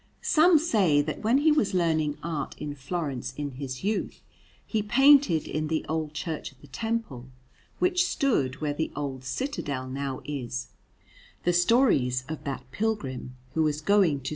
Some say that when he was learning art in Florence in his youth, he painted in the old Church of the Temple, which stood where the old Citadel now is, the stories of that pilgrim who was going to S.